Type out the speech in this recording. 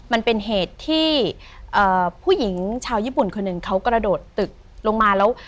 มันเป็นเหตุที่ผู้หญิงชาวญี่ปุ่นคนหนึ่งเขากระโดดตึกลงมาแล้ว